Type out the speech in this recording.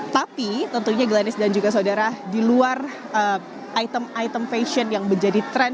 tapi tentunya glanis dan juga saudara di luar item item fashion yang menjadi tren